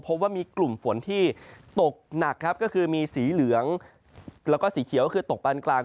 พบว่ามีกลุ่มฝนที่ตกหนักครับก็คือมีสีเหลืองแล้วก็สีเขียวก็คือตกปานกลาง